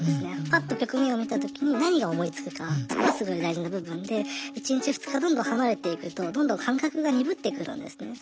パッと局面を見た時に何が思いつくかそこがすごい大事な部分で一日二日どんどん離れていくとどんどん感覚が鈍ってくるんですね。